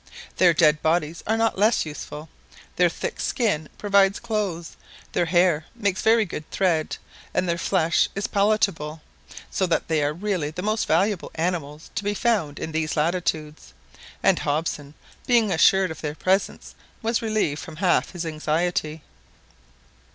Their dead bodies are not less useful. Their thick skin provides clothes, their hair makes very good thread, and their flesh is palatable; so that they are really the most valuable animals to be found in these latitudes, and Hobson, being assured of their presence, was relieved from half his anxiety.